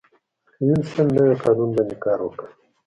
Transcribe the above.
وېلسن نوي قانون باندې کار وکړ.